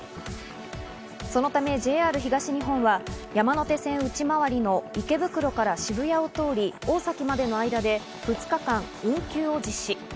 そのためＪＲ東日本は山手線内回りの池袋から渋谷を通り大崎までの間で２日間運休を実施。